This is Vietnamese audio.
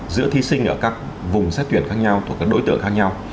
giữa thí sinh ở các vùng xét tuyển khác nhau thuộc các đối tượng khác nhau